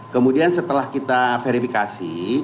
kemudian setelah kita verifikasi